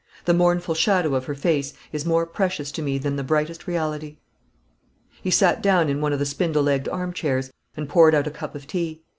The mournful shadow of her face is more precious to me than the brightest reality." He sat down in one of the spindle legged arm chairs, and poured out a cup of tea.